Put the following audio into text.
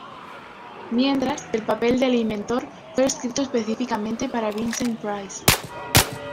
Mientras que el papel de "El Inventor" fue escrito específicamente para Vincent Price.